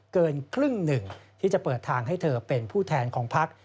เกินครึ่งหนึ่งที่จะเปิดทางให้เธอเป็นผู้แทนของพัก